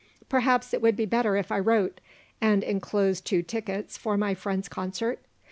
Perhaps it would be better if I wrote, and enclosed two tickets for my friend's concert?